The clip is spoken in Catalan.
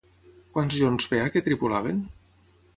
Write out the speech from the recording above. Quants jorns feia que tripulaven?